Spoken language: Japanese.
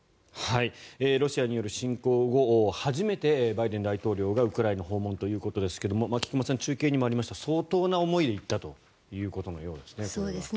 ロシアによる侵攻後初めてバイデン大統領がウクライナ訪問ということですが菊間さん、中継にもありましたが相当な思いで行ったということのようですね。